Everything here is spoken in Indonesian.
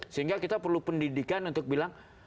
sehingga kita perlu pendidikan untuk bilang